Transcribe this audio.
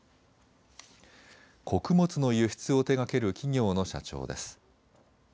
穀物の輸出を手がける企業の社長です。